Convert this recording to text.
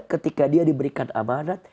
ketika dia diberikan amanat